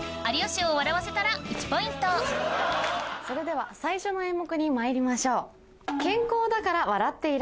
それでは最初の演目にまいりましょう。